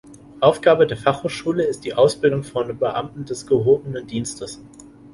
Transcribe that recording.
Aufgabe der Fachhochschule ist die Ausbildung von Beamten des gehobenen Dienstes.